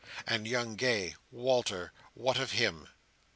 And young Gay—Walter—what of him?